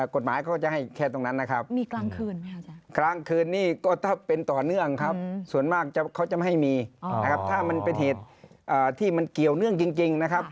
กฎหมายเขาก็จะให้แค่ตรงนั้นนะครับ